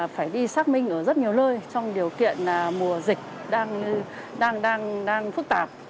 phải đi xác minh ở rất nhiều nơi trong điều kiện mùa dịch đang phức tạp